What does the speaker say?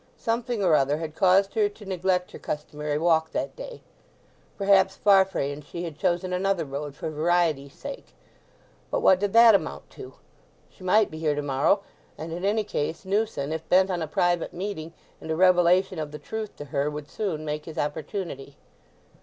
Something or other had caused her to neglect her customary walk that day. Perhaps Farfrae and she had chosen another road for variety's sake. But what did that amount to? She might be here to morrow, and in any case Newson, if bent on a private meeting and a revelation of the truth to her, would soon make his opportunity.